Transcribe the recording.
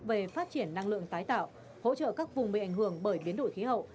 về phát triển năng lượng tái tạo hỗ trợ các vùng bị ảnh hưởng bởi biến đổi khí hậu